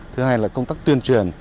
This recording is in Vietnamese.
thứ hai là công tác tuyên truyền